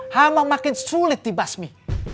hama makin sulit dibasmi